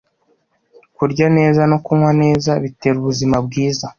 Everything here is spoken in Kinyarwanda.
Kurya neza no kunywa neza bitera ubuzima bwiza